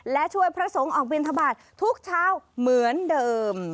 และช่วยพระสงฆ์ออกบินทบาททุกเช้าเหมือนเดิม